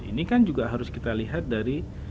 ini kan juga harus kita lihat dari